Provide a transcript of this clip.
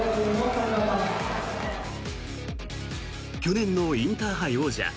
去年のインターハイ王者